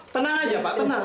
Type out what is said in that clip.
tenang aja pak tenang